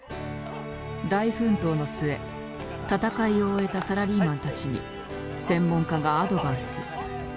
大奮闘の末戦いを終えたサラリーマンたちに専門家がアドバイス。